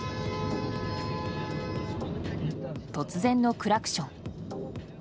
突然のクラクション。